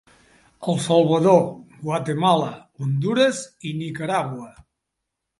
El Salvador, Guatemala, Hondures i Nicaragua.